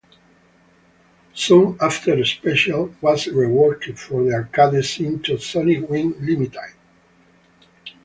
Soon after, "Special" was reworked for the arcades into "Sonic Wings Limited".